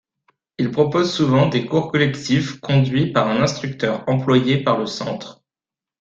Ils proposent souvent des cours collectifs conduits par un instructeur employé par le centre.